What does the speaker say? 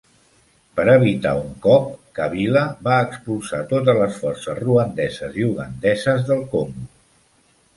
Per evitar un cop, Kabila va expulsar totes les forces ruandeses i ugandeses del Congo.